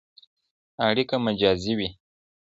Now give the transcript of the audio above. اړیکه مجازي وي.